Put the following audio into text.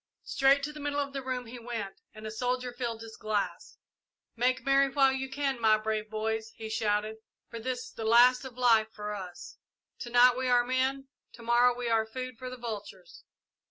Straight to the middle of the room he went, and a soldier filled his glass. "Make merry while you can, my brave boys," he shouted, "for this is the last of life for us! To night we are men to morrow we are food for the vultures!